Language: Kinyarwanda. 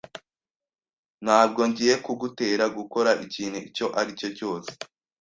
Ntabwo ngiye kugutera gukora ikintu icyo ari cyo cyose.